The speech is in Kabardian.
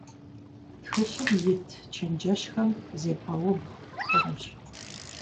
Тхылъым ит чэнджэщхэм зебгъэубгъу хъунущ.